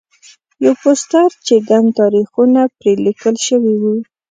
یو پوسټر چې ګڼ تاریخونه پرې لیکل شوي وو.